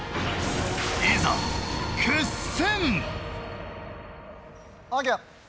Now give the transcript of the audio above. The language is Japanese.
いざ決戦！